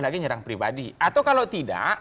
lagi nyerang pribadi atau kalau tidak